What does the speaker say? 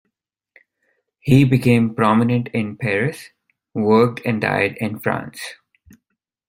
He became prominent in Paris, worked and died in France.